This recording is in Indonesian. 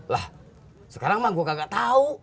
lah sekarang mah gua kagak tau